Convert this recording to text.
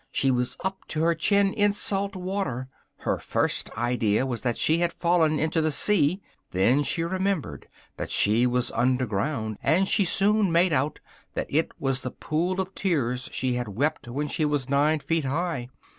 she was up to her chin in salt water. Her first idea was that she had fallen into the sea: then she remembered that she was under ground, and she soon made out that it was the pool of tears she had wept when she was nine feet high.